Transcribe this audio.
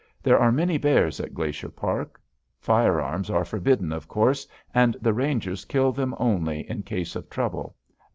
There are many bears in Glacier Park. Firearms are forbidden, of course, and the rangers kill them only in case of trouble.